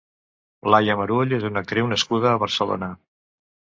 Laia Marull és una actriu nascuda a Barcelona.